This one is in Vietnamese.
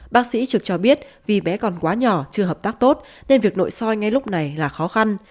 bác sĩ trực cho biết vì bé còn quá nhỏ chưa hợp tác tốt nên việc nội soi ngay lúc này là khó khăn